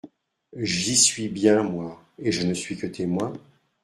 J’y suis bien, moi ! et je ne suis que témoin.